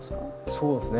そうですね。